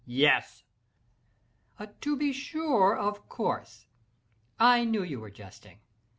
yes!" "To be sure—of course! I knew you were jesting.